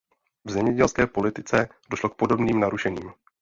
V zemědělské politice došlo k podobným narušením.